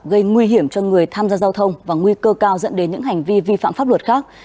gây nguy hiểm cho người tham gia giao thông và nguy cơ cao dẫn đến những hành vi vi phạm pháp luật khác